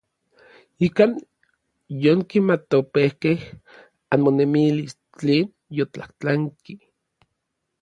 Ikan yonkimatopejkej anmonemilis tlen yotlajtlanki.